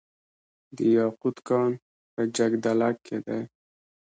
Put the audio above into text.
د یاقوت کان په جګدلک کې دی